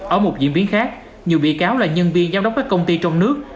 ở một diễn biến khác nhiều bị cáo là nhân viên giám đốc các công ty trong nước